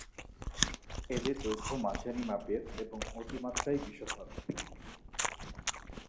এদের দৈর্ঘ্য মাঝারি মাপের এবং অতিমাত্রায় বিষধর।